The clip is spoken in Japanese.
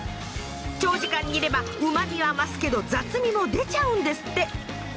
長時間煮れば旨みは増すけど雑味も出ちゃうんですって。